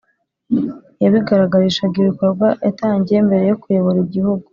yabigaragarishaga ibikorwa yatangiye mbere yo kuyobora igihugu.